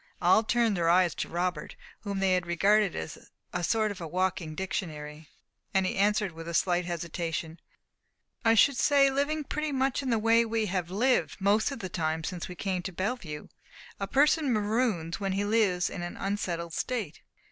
All turned their eyes to Robert, whom they regarded as a sort of walking dictionary; and he answered with a slight hesitation "I should say, living pretty much in the way we have lived most of the time since we came to Bellevue. A person maroons when he lives in an unsettled state."